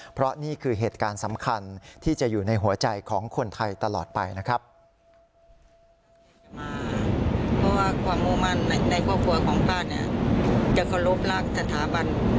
เพราะนี่คือเหตุการณ์สำคัญที่จะอยู่ในหัวใจของคนไทยตลอดไปนะครับ